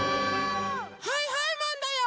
はいはいマンだよ！